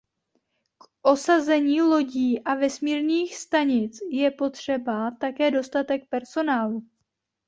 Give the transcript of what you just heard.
K osazení lodí a vesmírných stanic je potřeba také dostatek personálu.